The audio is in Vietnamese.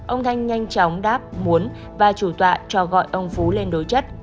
ông thanh nhanh chóng đáp muốn và chủ tọa cho gọi ông phú lên đối chất